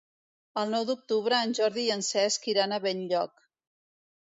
El nou d'octubre en Jordi i en Cesc iran a Benlloc.